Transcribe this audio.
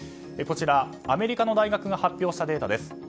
こちら、アメリカの大学が発表したデータです。